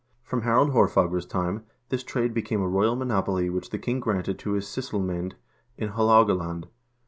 Prom Ilarald Haarfagre's time this trade became a royal monopoly which the king granted to his sysselmasrul in Haalogaland.